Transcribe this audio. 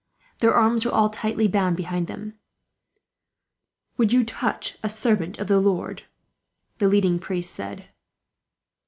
Their arms were all tightly bound behind them. "Would you touch a servant of the Lord?" the leading priest said.